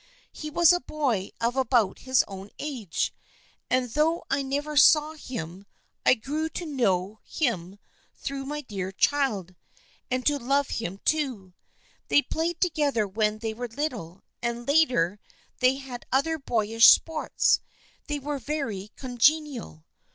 He was a boy of about his own age, and though I never saw him I grew to know him through my dear child, and to love him too. They played together when they were little, and later they had other boyish sports. They were very congenial.